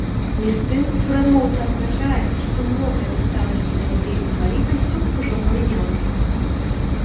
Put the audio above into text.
Між тым, суразмоўца адзначае, што многае ў стаўленні да людзей з інваліднасцю ўжо памянялася.